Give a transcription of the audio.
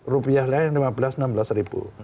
rupiah lain lima belas enam belas ribu